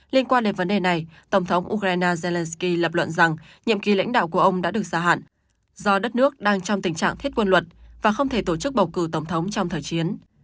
liên quan đến vấn đề này tổng thống ukraine zelensky lập luận rằng nhiệm kỳ lãnh đạo của ông đã được gia hạn do đất nước đang trong tình trạng thiết quân luật và không thể tổ chức bầu cử tổng thống trong thời chiến